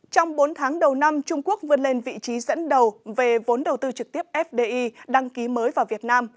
trong bốn tháng đầu năm trung quốc vươn lên vị trí dẫn đầu về vốn đầu tư trực tiếp fdi đăng ký mới vào việt nam